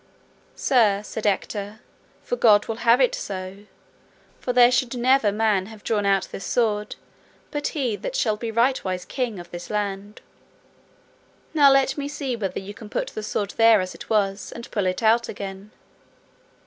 Sir, said Ector, for God will have it so; for there should never man have drawn out this sword, but he that shall be rightwise king of this land. Now let me see whether ye can put the sword there as it was, and pull it out again.